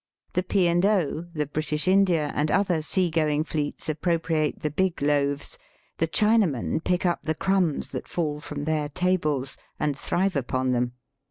The P. and 0., the British India, and other sea going fleets appropriate the big loaves. The Chinamen pick up the crumbs that fall from their tables, and thrive upon them.